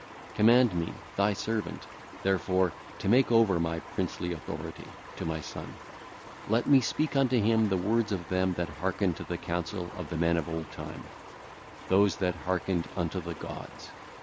'Command me, thy servant, therefore, to make over my princely authority [to my son]. Let me speak unto him the words of them that hearken to the counsel of the men of old time; those that hearkened unto the gods.